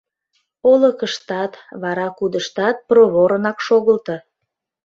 Олыкыштат, вара кудыштат проворынак шогылто.